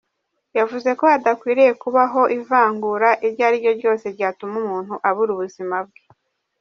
Yavuze ko hadakwiye kubaho ivangura iryo ari ryo ryose ryatuma umuntu abura ubuzima bwe.